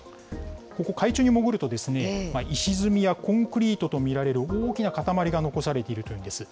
ここ、海中に潜ると、石積みやコンクリートと見られる大きな塊が残されているというんです。